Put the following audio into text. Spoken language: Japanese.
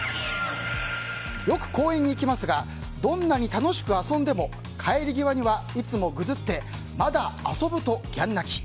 よく公園に行きますがどんなに楽しく遊んでも帰り際にはいつもぐずってまだ遊ぶとギャン泣き。